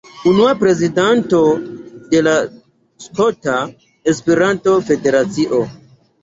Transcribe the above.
Unua prezidanto de la Skota Esperanto-Federacio.